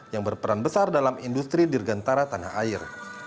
yang berperan besar dalam industri dirgantara tanah air